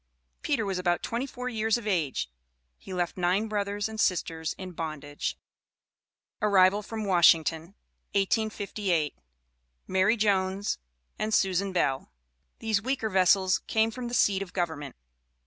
Peter was about twenty four years of age. He left nine brothers and sisters in bondage. ARRIVAL FROM WASHINGTON, 1858. MARY JONES AND SUSAN BELL. These "weaker vessels" came from the seat of government.